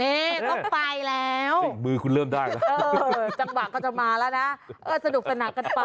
นี่ต้องไปแล้วจังหวังก็จะมาแล้วนะสนุกกันหนักกันไป